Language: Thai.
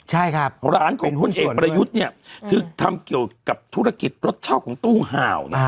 หลานของคนเอกประยุทธ์เนี่ยที่ทำเกี่ยวกับธุรกิจรถเช่าของตู้ห่าว